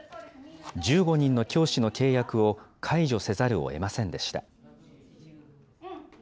１５人の教師の契約を解除せざるをえませんでした。